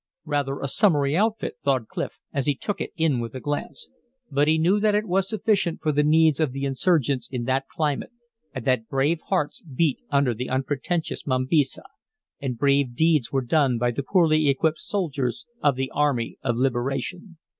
"Rather a summery outfit," thought Clif as he took it in with a glance. But he knew that it was sufficient for the needs of the insurgents in that climate, and that brave hearts beat under the unpretentious mambisa, and brave deeds were done by the poorly equipped soldiers of the army of liberation.